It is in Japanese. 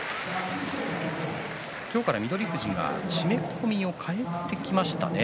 今日から翠富士が締め込みを替えてきましたね。